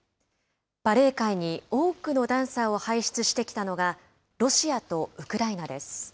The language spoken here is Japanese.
バレエ界に多くのダンサーを輩出してきたのがロシアとウクライナです。